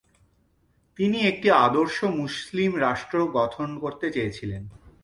তিনি একটি আদর্শ মুসলিম রাষ্ট্র গঠন করতে চেয়েছিলেন।